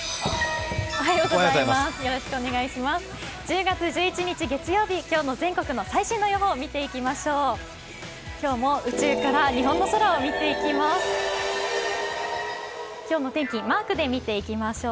１０月１１日、月曜日今日の全国の最新の予報を見ていきましょう。